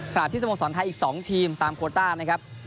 ที่สโมสรไทยอีก๒ทีมตามโคต้านะครับ